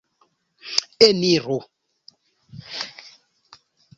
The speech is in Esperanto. Eniru!